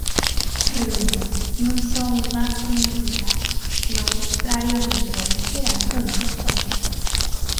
Redunda, non só nun gasto innecesario, senón contrario aos intereses xerais do noso país.